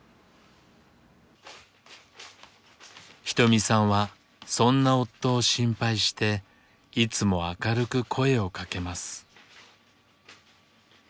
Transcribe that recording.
ひとみさんはそんな夫を心配していつも明るく声をかけます。